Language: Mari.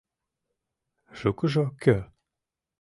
Шукыжо кӧ?